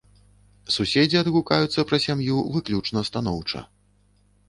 Суседзі адгукаюцца пра сям'ю выключна станоўча.